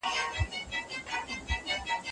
انا په خپلو خبرو کې پوره صادقه او رښتینې وه.